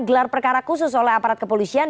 gelar perkara khusus oleh aparat kepolisian